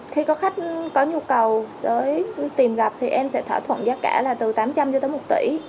khi có khách có nhu cầu tìm gặp thì em sẽ thỏa thuận giá cả là từ tám trăm linh cho tới một tỷ